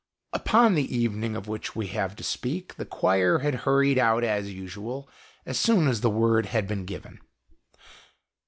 Upon the evening of which we have to speak, the choir had hurried out as usual, as soon as the word had been given.